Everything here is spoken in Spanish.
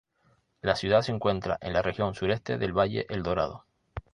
La ciudad se encuentra en la región sureste del valle Eldorado.